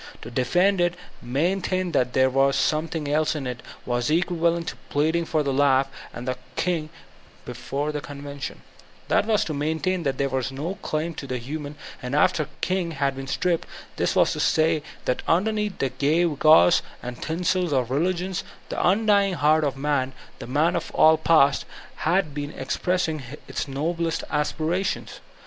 To defend it, to maintain that there was some thing else in it, was equivalent to pleading for the life of the King before the convention I That was to main tain that there were claims of the human — after the King had been stripped ; this was to say that underneath the gewgaws and tinsel of religions the undying heart of man, the man of all the past, had been expressing its noblest aspirations.